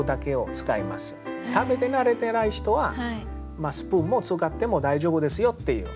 食べて慣れてない人はスプーンも使っても大丈夫ですよっていう。